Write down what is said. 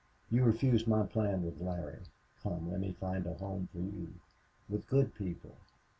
"You refused my plan with Larry.... Come, let me find a home for you with good people."